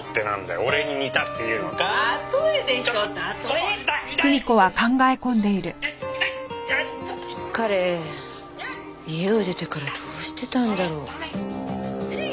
彼家を出てからどうしてたんだろう？